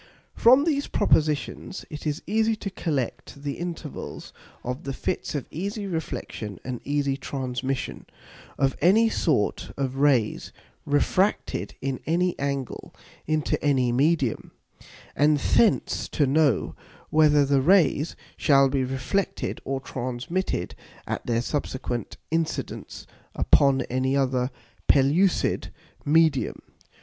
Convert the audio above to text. From these Propositions it is easy to collect the Intervals of the Fits of easy Reflexion and easy Transmission of any sort of Rays refracted in any angle into any Medium; and thence to know, whether the Rays shall be reflected or transmitted at their subsequent Incidence upon any other pellucid Medium.